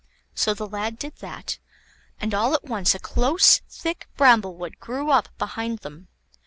So the lad did that, and all at once a close, thick bramblewood grew up behind them.